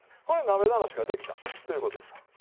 これで鍋慣らしができたという事ですわ。